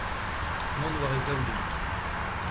mont war e zaoulin